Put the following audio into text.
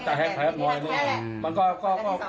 เสียงเขาสัมภาษณ์นะเสียงเขาแฮก